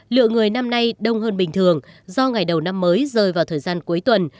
lượng người năm nay đông hơn bình thường do ngày đầu năm mới rơi vào thời gian cuối tuần